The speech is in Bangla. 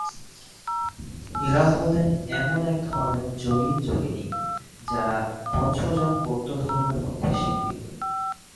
এরা হলেন এমন একধরনের যোগিন/যোগিনী যারা বজ্রযান বৌদ্ধধর্মের মধ্যে স্বীকৃত।